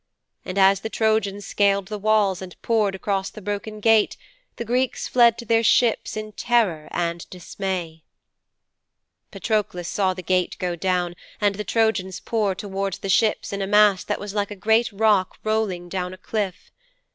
And as the Trojans scaled the walls and poured across the broken gate, the Greeks fled to their ships in terror and dismay.' 'Patroklos saw the gate go down and the Trojans pour towards the ships in a mass that was like a great rock rolling down a cliff.